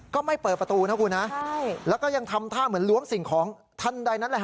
ก็ไม่เปิดประตูนะคุณนะแล้วก็ยังทำท่าเหมือนล้วงสิ่งของทันใดนั้นแหละฮ